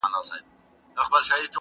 هر څوک د پېښې کيسه بيا بيا تکراروي,